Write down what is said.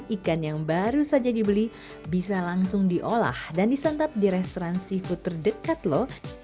ikan yang baru saja dibeli bisa langsung diolah dan disantap di restoran seafood terdekat lho